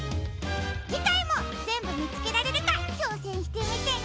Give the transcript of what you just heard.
じかいもぜんぶみつけられるかちょうせんしてみてね！